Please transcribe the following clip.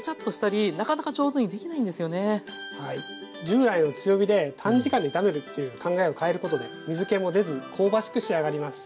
従来の強火で短時間で炒めるという考えを変えることで水けも出ずに香ばしく仕上がります。